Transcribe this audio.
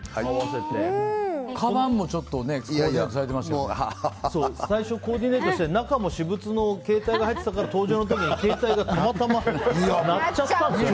かばんも最初コーディネートして中も私物の携帯が入ってたから登場の時に携帯がたまたま鳴っちゃったんですよね。